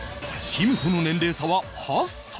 きむとの年齢差は８歳